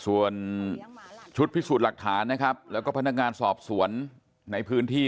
ส่วนชุดพิสูจน์หลักฐานนะครับแล้วก็พนักงานสอบสวนในพื้นที่